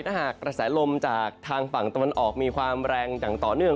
ถ้าหากกระแสลมจากทางฝั่งตะวันออกมีความแรงอย่างต่อเนื่อง